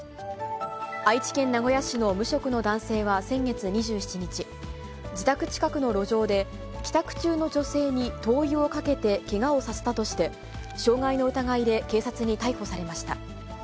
愛知県名古屋市の無職の男性は先月２７日、自宅近くの路上で帰宅中の女性に灯油をかけて、けがをさせたとして、傷害の疑いで警察に逮捕されました。